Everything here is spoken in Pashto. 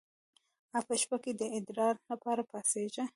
ایا په شپه کې د ادرار لپاره پاڅیږئ؟